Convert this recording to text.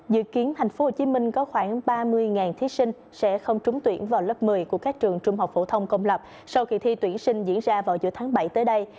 dự kiến tp hcm có khoảng ba mươi thí sinh sẽ không trúng tuyển vào lớp một mươi của các trường trung học phổ thông công lập sau kỳ thi tuyển sinh diễn ra vào giữa tháng bảy tới đây